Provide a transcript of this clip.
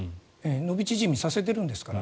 伸び縮みさせてるんですから。